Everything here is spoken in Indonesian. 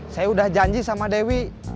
saya udah janji sama dewi